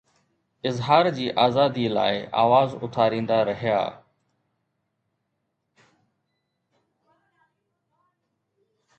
اظهار جي آزادي لاءِ آواز اٿاريندا رهيا.